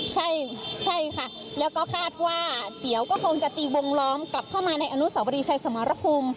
ใช่ใช่ค่ะแล้วก็คาดว่าเดี๋ยวก็คงจะตีวงล้อมกลับเข้ามาในอนุสาวรีชัยสมรภูมิ